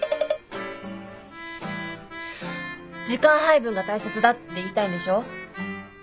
時間配分が大切だって言いたいんでしょ？